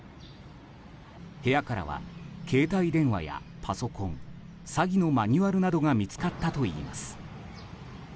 部屋からは携帯電話やパソコン詐欺のマニュアルなどが見つかったといいます。